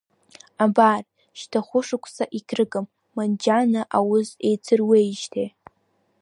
Абар, шьҭа хәышықәса егьрыгым Манџьана аус еицыруеижьҭеи.